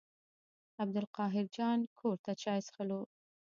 عبدالقاهر جان کور ته چای څښلو.